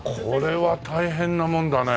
これは大変なもんだね。